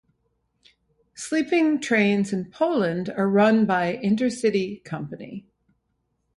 Sleeping trains in Poland are run by Intercity company.